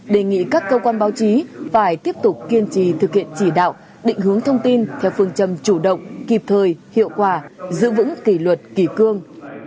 đề nghị các cơ quan báo chí phải tiếp tục kiên trì thực hiện chỉ đạo định hướng thông tin theo phương châm chủ động kịp thời hiệu quả giữ vững kỳ luật kỳ cương